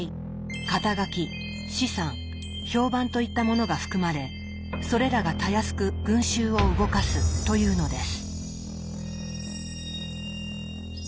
肩書資産評判といったものが含まれそれらがたやすく群衆を動かすというのです。